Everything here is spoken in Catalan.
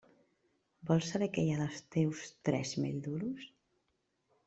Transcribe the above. Vols saber què hi ha dels teus tres mil duros?